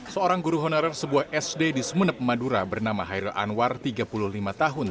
seorang guru honorer sebuah sd di sumeneb madura bernama hairul anwar tiga puluh lima tahun